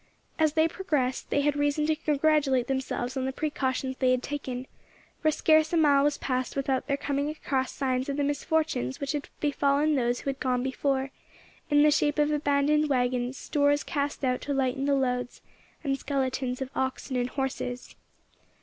As they progressed they had reason to congratulate themselves on the precautions they had taken, for scarce a mile was passed without their coming across signs of the misfortunes which had befallen those who had gone before, in the shape of abandoned waggons, stores cast out to lighten the loads, and skeletons of oxen and horses.